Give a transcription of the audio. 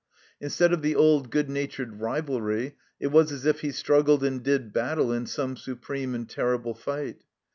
Instead of the old good natured rivalry, it was as if he struggled and did battle in some supreme and terrible fight.